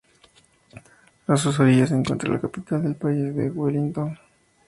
A sus orillas se encuentra la capital del país, Wellington.